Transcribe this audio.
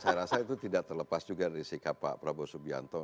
saya rasa itu tidak terlepas juga dari sikap pak prabowo subianto